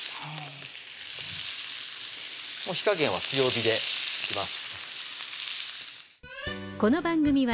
火加減は強火でいきます